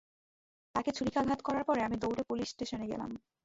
তাকে ছুরিকাঘাত করার পর, আমি দৌড়ে পুলিশ স্টেশনে গেলাম।